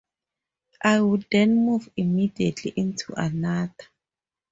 I would then move immediately into another.